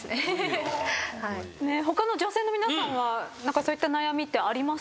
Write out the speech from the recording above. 他の女性の皆さんはそういった悩みってあります？